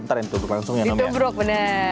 nanti ditubruk langsung ya hanum ya